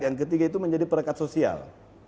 yang ketiga itu menjadi perangkat sosial